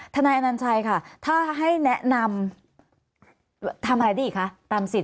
ทแอนัญชัยค่ะถ้าให้แนะนำทำกี่ได้อีกคะ